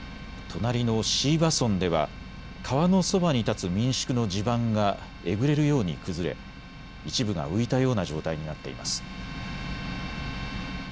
隣の椎葉村では川のそばに建つ民宿の地盤がえぐれるように崩れ一部が浮いたような状態になっています。